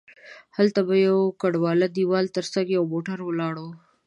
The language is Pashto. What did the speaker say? هلته به د یوه کنډواله دیوال تر څنګه یو موټر ولاړ وي.